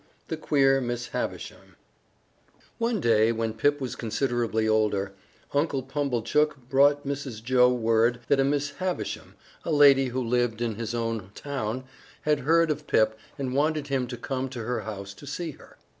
II THE QUEER MISS HAVISHAM One day, when Pip was considerably older, Uncle Pumblechook brought Mrs. Joe word that a Miss Havisham, a lady who lived in his own town, had heard of Pip, and wanted him to come to her house to see her.